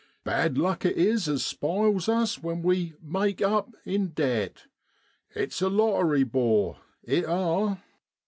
Bad luck it is as spiles us when we * make up ' in debt ! It's a lottery, 'bor, it are.